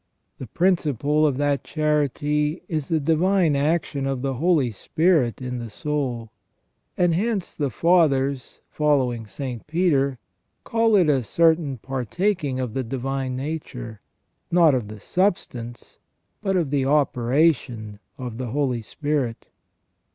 The principle of that charity is the divine action of the Holy Spirit in the soul ; and hence the Fathers, following St. Peter, call it a certain partaking of the divine nature, not of the substance but of the operation of the Holy Spirit.